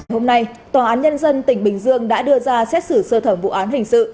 hôm nay tòa án nhân dân tỉnh bình dương đã đưa ra xét xử sơ thẩm vụ án hình sự